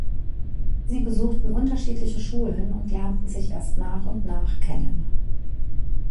Sie besuchten unterschiedliche Schulen und lernten sich erst nach und nach kennen.